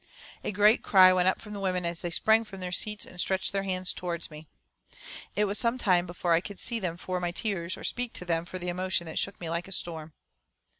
A great cry went up from the women as they sprang from their seats and stretched their hands toward me. It was some time before I could see them for my tears, or speak to them for the emotion that shook me like a storm.